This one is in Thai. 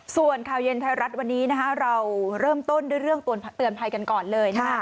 ส่วนข่าวเย็นไทยรัฐวันนี้เราเริ่มต้นด้วยเรื่องเตือนภัยกันก่อนเลย